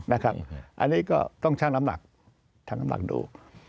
อันนี้ก็ต้องชั่งน้ำหนักดู